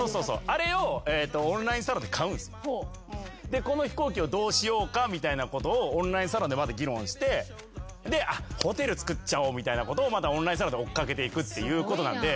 でこの飛行機をどうしようかみたいなことをオンラインサロンで議論してでホテル作っちゃおうみたいなことをまたオンラインサロンで追っ掛けていくっていうことなんで。